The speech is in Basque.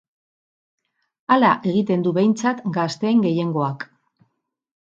Hala egiten du behintzat gazteen gehiengoak.